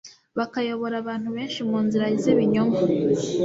bakayobora abantu benshi mu nzira z'ibinyoma.